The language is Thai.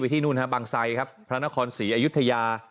ที่นู่นฮะบางไซครับพระนครศรีอยุธยา